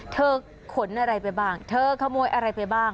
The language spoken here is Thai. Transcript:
ขนอะไรไปบ้างเธอขโมยอะไรไปบ้าง